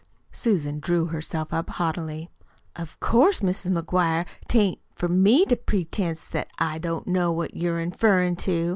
Susan drew herself up haughtily. "Of course, Mis' McGuire, 't ain't for me to pretense that I don't know what you're inferrin' to.